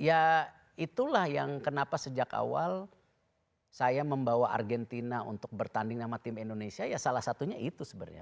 ya itulah yang kenapa sejak awal saya membawa argentina untuk bertanding nama tim indonesia ya salah satunya itu sebenarnya